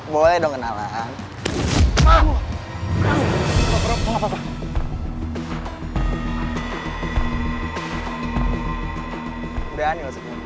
boleh dong kenalan